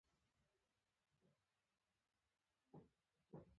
د جوزا پر څلور وېشتمه تر شا ټول پلونه وران کړئ.